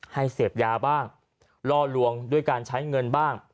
เสพยาบ้างล่อลวงด้วยการใช้เงินบ้าง